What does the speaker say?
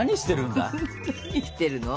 何してるの？